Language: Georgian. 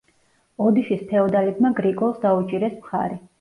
ოდიშის ფეოდალებმა გრიგოლს დაუჭირეს მხარი.